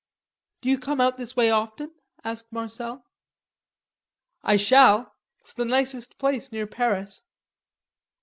"Do you come out this way often?" asked Marcel. "I shall. It's the nicest place near Paris."